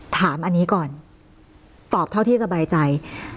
ถามอันนี้ก่อนตอบเท่าที่สบายใจ